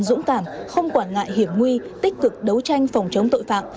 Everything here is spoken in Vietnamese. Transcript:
dũng cảm không quản ngại hiểm nguy tích cực đấu tranh phòng chống tội phạm